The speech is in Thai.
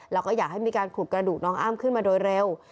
แล้วก็อยากให้มีการขุดกระดูกน้องอ้ำขึ้นมาโดยเร็ว